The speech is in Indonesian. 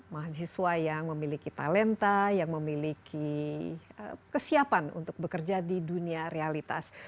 mahasiswa yang memiliki talenta yang memiliki kesiapan untuk bekerja di dunia realitas